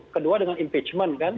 kedua dengan impeachment kan